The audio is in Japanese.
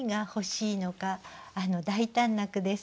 大胆な句です。